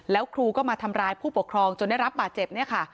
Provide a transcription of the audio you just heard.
แล้วครูก็มาทำร้ายผู้ปกครองจนได้รับบาดเจ็บเนี่ยค่ะ